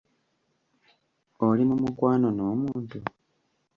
Oli mu mukwano n'omuntu?